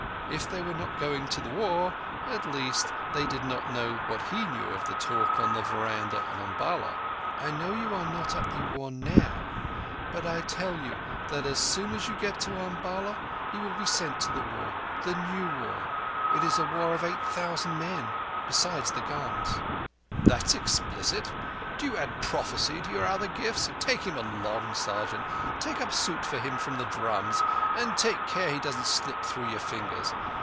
If they were not going to the war, at least they did not know what he knew of the talk in the veranda at Umballa. "I know you are not at thee war now; but I tell you that as soon as you get to Umballa you will be sent to the war—the new war. It is a war of eight thousand men, besides the guns." "That's explicit. D'you add prophecy to your other gifts? Take him along, sergeant. Take up a suit for him from the Drums, an' take care he doesn't slip through your fingers.